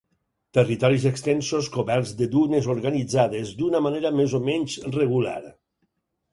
Territoris extensos coberts de dunes organitzades d'una manera més o menys regular.